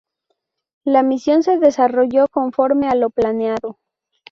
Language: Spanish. La misión se desarrolló conforme a lo planeado.